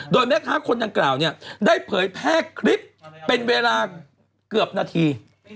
โดยแม่ค้าคนดังกล่าวเนี่ยได้เผยแพร่คลิปเป็นเวลาเกือบนาที